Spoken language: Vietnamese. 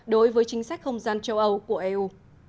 đối với chính sách không gian châu âu của eu